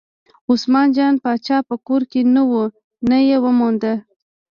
عثمان جان پاچا په کور کې نه و نه یې وموند.